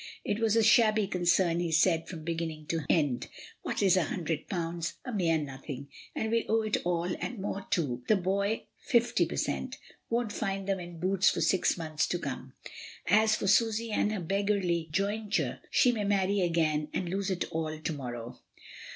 It was a shabby concern, he said, from beginning to end. What is a hundred pounds? A mere nothing; and we owe it all and more too. The boys' 50/. won't find them in boots for six months to come. As for Susy and her beggarly jointure, she may marry again and lose it all to morrow.